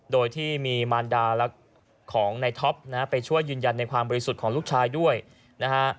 โดยที่มีมารดาและของในท็อปนะฮะไปช่วยยืนยันในความบริสุทธิ์ของลูกชายด้วยนะฮะ